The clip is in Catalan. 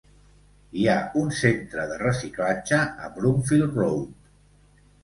Hi ha un centre de reciclatge a Broomfield Road.